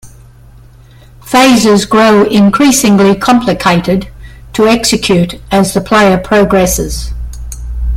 Phases grow increasingly complicated to execute as the player progresses.